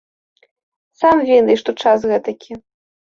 Сам ведай, што час гэтакі.